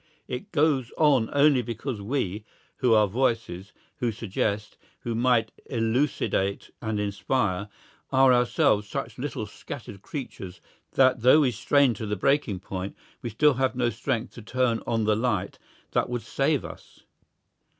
It goes on only because we, who are voices, who suggest, who might elucidate and inspire, are ourselves such little scattered creatures that though we strain to the breaking point, we still have no strength to turn on the light that would save us.